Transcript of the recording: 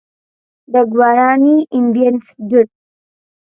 The Guarani Indians did.